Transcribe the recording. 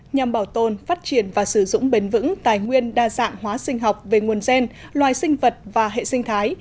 nhằm bảo tồn phát triển và sử dụng bền vững tài nguyên đa dạng hóa sinh học về nguồn gen loài sinh vật và hệ sinh thái